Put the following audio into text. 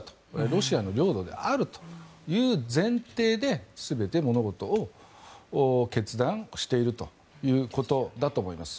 ロシアの領土であるという前提で全て物事を決断しているということだと思います。